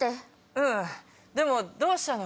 うんでもどうしたの？